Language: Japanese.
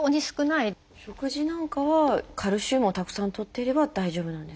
食事なんかはカルシウムをたくさんとっていれば大丈夫なんですか？